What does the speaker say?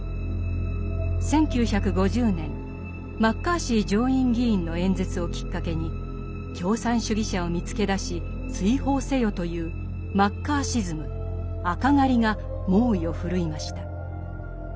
１９５０年マッカーシー上院議員の演説をきっかけに共産主義者を見つけ出し追放せよというマッカーシズム赤狩りが猛威を振るいました。